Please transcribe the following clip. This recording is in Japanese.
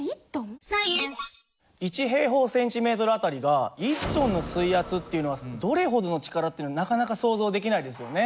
１当たりが１ｔの水圧っていうのはどれほどの力ってのはなかなか想像できないですよね。